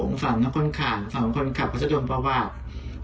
องษารทั้งคนขาดสามคนขับก็จะโดนประวัติ